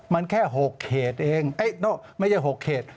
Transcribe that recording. มันแค่๖เขตเองไม่ใช่๖เขต